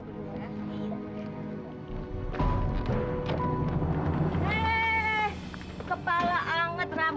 ini gue beli arabs